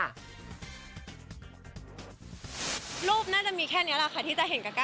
รูปน่าจะมีแค่นี้แหละค่ะที่จะเห็นกับ๙